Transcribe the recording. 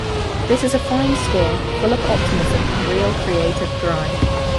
This is a fine score, full of optimism and real creative drive.